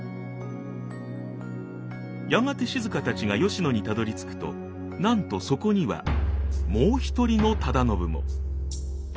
やがて静たちが吉野にたどりつくとなんとそこにはもう１人の忠信も！